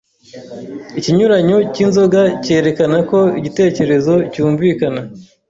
ikinyuranyo cy'inzoga cyerekana ko igitekerezo cyumvikana